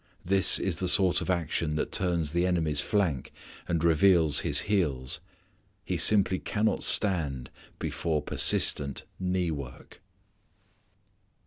This is the sort of action that turns the enemy's flank, and reveals his heels. He simply cannot stand before persistent knee work.